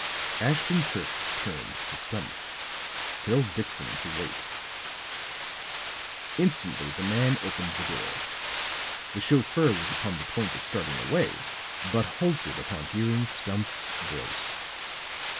Ashton Kirk turned to Stumph. "Tell Dixon to wait." Instantly the man opened the door; the chauffeur was upon the point of starting away, but halted upon hearing Stumph's voice.